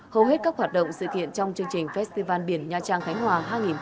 hầu hết các hoạt động sự kiện trong chương trình festival biển nha trang khánh hòa hai nghìn một mươi chín